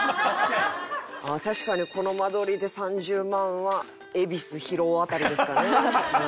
確かにこの間取りで３０万は恵比寿広尾辺りですかね。